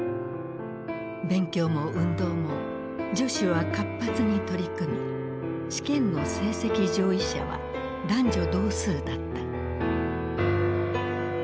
勉強も運動も女子は活発に取り組み試験の成績上位者は男女同数だった。